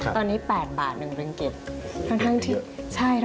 ตอนนี้๘บาท๑เบงกิต